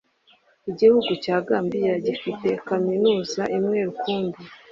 Igihugu cya Gambia gifite kaminuza imwe rukumbi